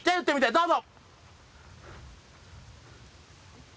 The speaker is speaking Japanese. どうぞ。